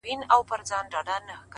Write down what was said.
شراب نوشۍ کي مي له تا سره قرآن کړی دی ـ